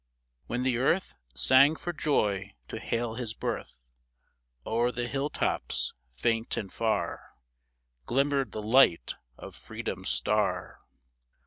When the earth Sang for joy to hail his birth, Over the hill tops, faint and far, Glimmered the light of Freedom's star.